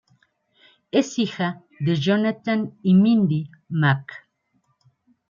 Es hija de Jonathan y Mindy Mack.